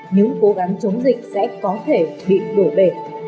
những cố gắng chống dịch sẽ có thể bị đổ bể